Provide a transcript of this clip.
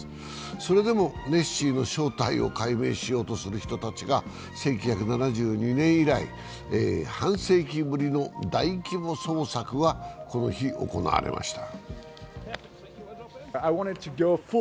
それでもネッシーの正体を解明しようとする人たちが１９７２年以来、半世紀ぶりの大規模捜索がこの日、行われました。